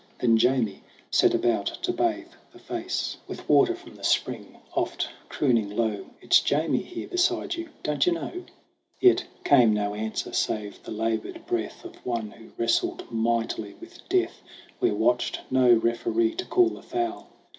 Then Jamie set about to bathe the face 1 6 SONG OF HUGH GLASS With water from the spring, oft crooning low, "It's Jamie here beside you don't you know ?" Yet came no answer save the labored breath Of one who wrestled mightily with Death Where watched no referee to call the foul.